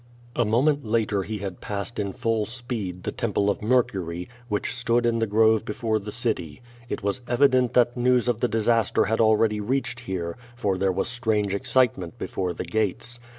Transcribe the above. A moment later he had passed in full speed the Temple of Mercury, which stood in the grove before the city It was evident that news of the disaster had already reached here, for there was strange excitement before the gates.